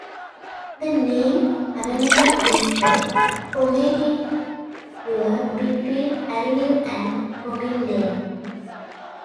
The name Avanade is a portmanteau between avenue and promenade.